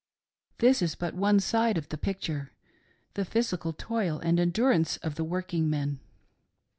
This is but ' one side of the picture — the physical toil and endurance of the working men.